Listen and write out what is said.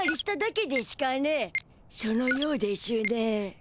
そのようでしゅね。